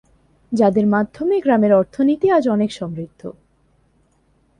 যাদের মাধ্যমে গ্রামের অর্থনীতি আজ অনেক সমৃদ্ধ।